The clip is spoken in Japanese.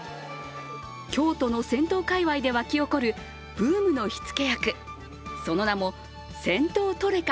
京都の銭湯界わいで沸き起こる、ブームの火付け役、その名も銭湯トレカ